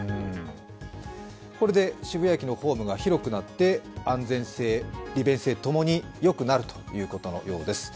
これで渋谷駅のホームが広くなって、安全性、利便性、共によくなるということのようです。